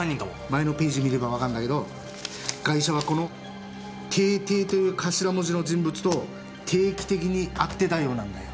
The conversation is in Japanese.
前のページ見ればわかるんだけどガイシャはこのＴ．Ｔという頭文字の人物と定期的に会ってたようなんだよ。